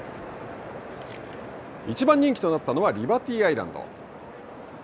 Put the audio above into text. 一番人気となったのはリバティアイランド。